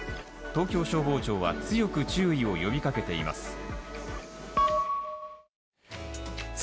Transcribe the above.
東京消防庁は強く注意を呼びかけています。